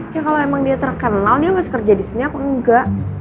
ya kalo emang dia terkenal dia harus kerja disini apa engga